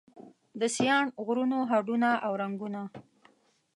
د سیاڼ غرونو هډونه او رګونه